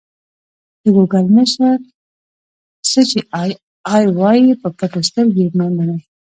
د ګوګل مشر: څه چې اې ای وايي په پټو سترګو یې مه منئ.